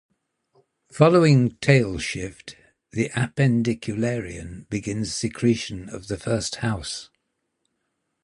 Following tail shift, the appendicularian begins secretion of the first house.